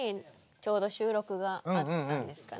ちょうど収録があったんですかね？